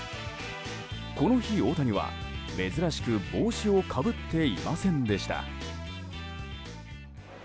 この日、大谷は珍しく帽子をかぶっていませんでした。